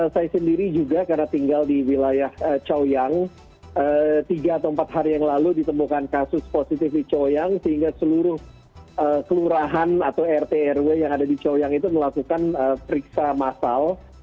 saya sendiri juga karena tinggal di wilayah coyang tiga atau empat hari yang lalu ditemukan kasus positif di coyang sehingga seluruh kelurahan atau rt rw yang ada di coyang itu melakukan periksa masal